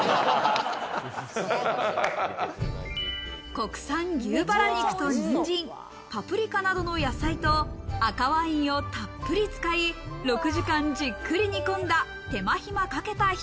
国産牛バラ肉とニンジン、パプリカなどの野菜と赤ワインをたっぷり使い、６時間じっくり煮込んだ手間暇かけたひ